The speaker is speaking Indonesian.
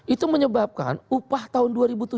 itu menyebabkan upah tahun dua ribu tujuh belas